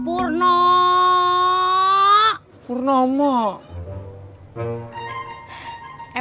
buat siapa sih mace